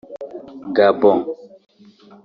Gabon